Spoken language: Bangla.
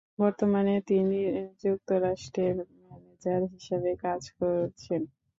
বর্তমানে তিনি যুক্তরাষ্ট্রের ম্যানেজার হিসেবে কাজ করছেন।